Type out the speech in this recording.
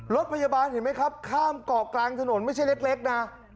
รถพยาบาลเห็นไหมครับข้ามเกาะกลางถนนไม่ใช่เล็กนะ